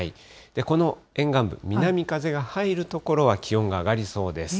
この沿岸部、南風が入る所は気温が上がりそうです。